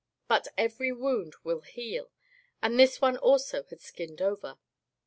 But every wound will heal, and this one also had skinned over.